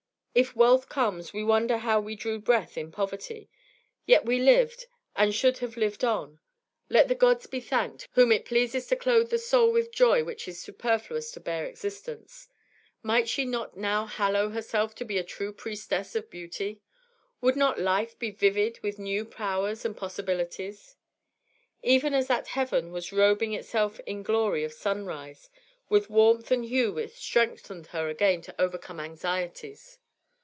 If wealth comes, we wonder how we drew breath in poverty; yet we lived, and should have lived on. Let the gods be thanked, whom it pleases to clothe the soul with joy which is superfluous to bare existence Might she not now hallow herself to be a true priestess of beauty? Would not life be vivid with new powers and possibilities? Even as that heaven was robing itself in glory of sunrise, with warmth and hue which strengthened her again to overcome anxieties.